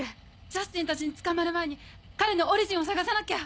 ジャスティンたちに捕まる前に彼のオリジンを探さなきゃ。